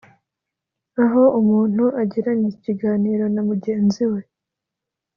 aho umuntu agirana ikiganiro na mugenzi we